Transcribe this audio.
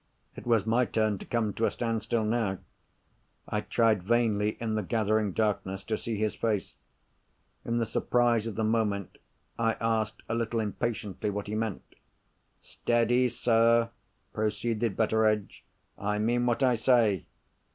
It was my turn to come to a standstill now. I tried vainly, in the gathering darkness, to see his face. In the surprise of the moment, I asked a little impatiently what he meant. "Steady, sir!" proceeded Betteredge. "I mean what I say.